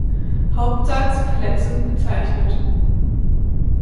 Hauptsatz verletzend“ bezeichnet.